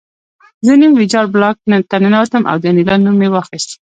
زه نیم ویجاړ بلاک ته ننوتم او د انیلا نوم مې واخیست